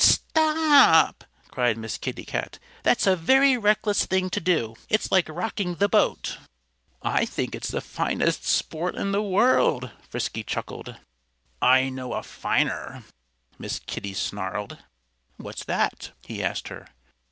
"Stop!" cried Miss Kitty Cat. "That's a very reckless thing to do. It's like rocking the boat." "I think it's the finest sport in the world," Frisky chuckled. "I know a finer," Miss Kitty snarled. "What that?" he asked her.